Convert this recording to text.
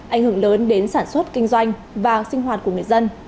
ảnh hưởng lớn đến sản xuất kinh doanh và sinh hoạt của người dân